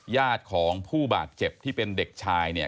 ญาติของผู้บาดเจ็บที่เป็นเด็กชายเนี่ย